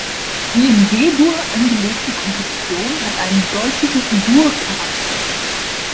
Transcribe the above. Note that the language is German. Die in G-Dur angelegte Komposition hat einen deutlichen Dur-Charakter.